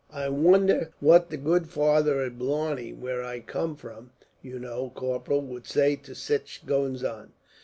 I wonder what the good father at Blarney, where I come from, you know, Corporal, would say to sich goings on.